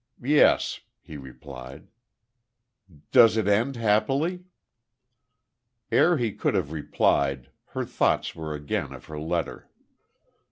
"Yes," he replied. "Does it end happily?" Ere he could have replied, her thoughts were again of her letter.